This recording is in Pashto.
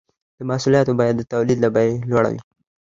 د محصولاتو بیه د تولید له بیې لوړه وي